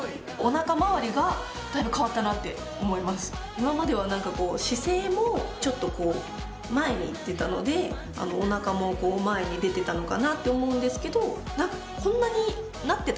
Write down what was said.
今までは何かこう姿勢もちょっとこう前に行ってたのでおなかもこう前に出てたのかなって思うんですけど。